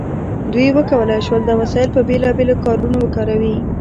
دوی وکولی شول دا وسایل په بیلابیلو کارونو وکاروي.